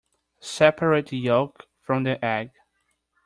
Separate the yolk from the egg.